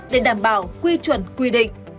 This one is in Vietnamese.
để đảm bảo quy chuẩn quy định